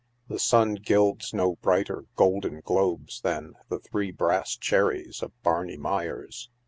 ^ The sun gilds no brighter golden globes than the three brass cher ries of Barney Meyers.